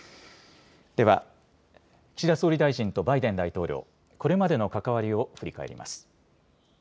では、岸田総理大臣とバイデン大統領、これまでの関わりを振り返ります。